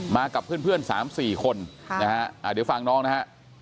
มากับเพื่อน๓๔คนนะฮะเดี๋ยวฟังน้องนะฮะ